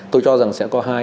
tôi cho rằng sẽ có hai